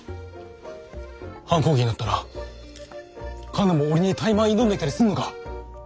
反抗期になったらカナも俺にタイマン挑んできたりすんのか？